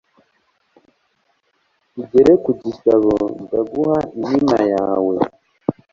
tugere ku gitabo ndaguha inkima yawe